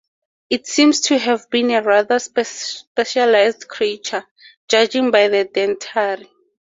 It seems to have been a rather specialized creature, judging by the dentary.